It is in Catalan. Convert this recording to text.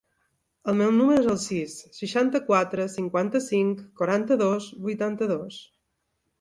El meu número es el sis, seixanta-quatre, cinquanta-cinc, quaranta-dos, vuitanta-dos.